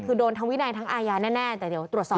คือโดนทั้งวินัยทั้งอาญาแน่แต่เดี๋ยวตรวจสอบ